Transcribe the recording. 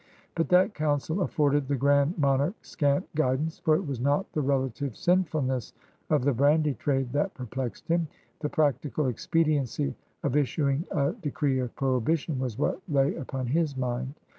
But that coimsel afforded the Grand Monarch scant guidance, for it was not the relative sinfulness of the brandy trade that perplexed him. The practical expediency of issuing a de cree of prohibition was what lay upon his mind.